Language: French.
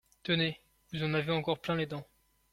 Tenez ! vous en avez encore plein les dents.